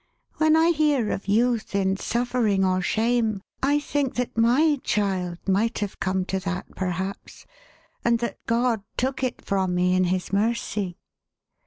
When I hear of youth in suffering or shame, I think that my child might have come to that, perhaps, and that God took it from me in his mercy.